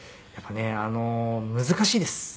やっぱりね難しいです。